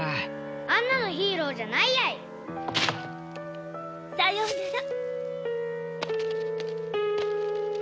あんなのヒーローじゃないやい！さようなら。